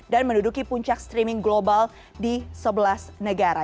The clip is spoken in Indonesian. dan menduduki puncak streaming global di sebelas negara